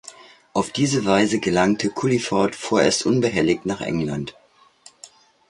Auf diese Weise gelangte Culliford vorerst unbehelligt nach England.